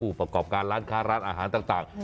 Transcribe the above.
ประกอบการร้านค้าร้านอาหารต่าง